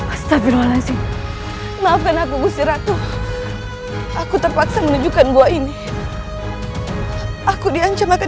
astagfirullahaladzim maafkan aku gusti ratu aku terpaksa menunjukkan buah ini aku diancam akan